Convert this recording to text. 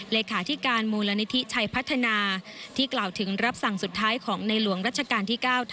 เลขาธิการมูลนิธิชัยพัฒนาที่กล่าวถึงรับสั่งสุดท้ายของในหลวงรัชกาลที่๙